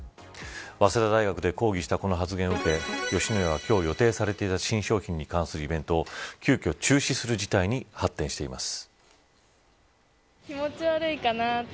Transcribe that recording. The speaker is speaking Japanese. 早稲田大学で講義したこの発言を受け吉野家は、今日予定されていた新商品に関するイベントを急きょ中止する事態に発展しています。